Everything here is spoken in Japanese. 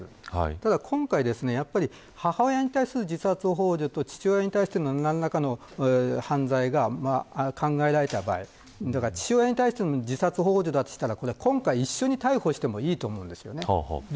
ただ今回は母親に対する自殺ほう助と父親に対しての何らかの犯罪が考えられた場合父親に対しても自殺ほう助なら今回は一緒に逮捕してもいいと思うんです。